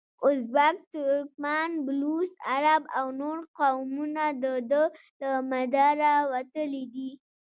ازبک، ترکمن، بلوڅ، عرب او نور قومونه دده له مداره وتلي دي.